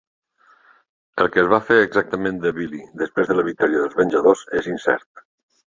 El que es va fer exactament de Billy després de la victòria dels Venjadors és incert.